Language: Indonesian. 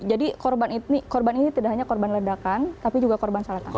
jadi korban ini tidak hanya korban ledakan tapi juga korban salah tangkap